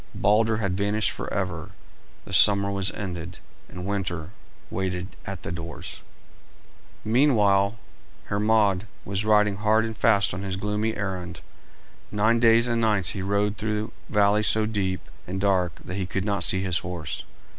Balder had vanished forever, the summer was ended, and winter waited at the doors. Meanwhile Hermod was riding hard and fast on his gloomy errand. Nine days and nights he rode through valleys so deep and dark that he could not see his horse.